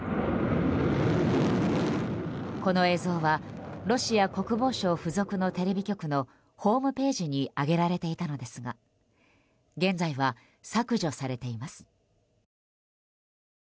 この映像はロシア国防省付属のテレビ局のホームページに上げられていたのですが現在は削除されています。